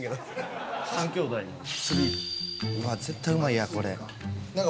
うわ絶対うまいやんこれ。